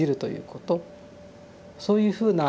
そういうふうな